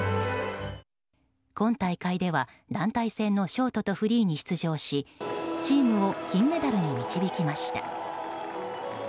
今大会では団体戦のショートとフリーに出場しチームを金メダルに導きました。